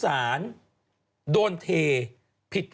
หน้าอินโนเซนต์อยู่